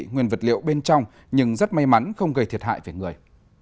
nguyên vật liệu bên trong nhưng rất may mắn không gây thiệt hại về người